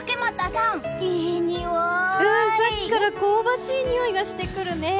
さっきから香ばしいにおいがしてくるね。